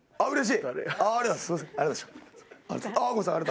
うれしい。